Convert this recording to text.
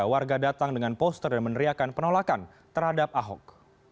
warga datang dengan poster dan meneriakan penolakan terhadap ahok